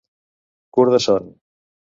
Curt de son.